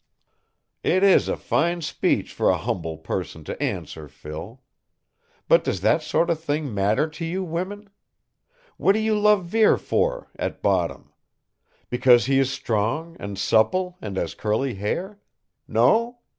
"It is a fine speech for a humble person to answer, Phil! But does that sort of thing matter to you women? What do you love Vere for, at bottom? Because he is strong and supple and has curly hair? No?"